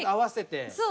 そう。